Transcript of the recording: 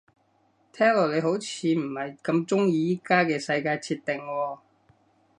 聽落你好似唔係咁鍾意而家嘅世界設定喎